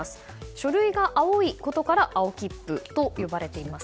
書類が青いことから青切符と呼ばれています。